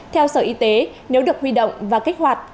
theo sở y tế nếu được huy động và kích hoạt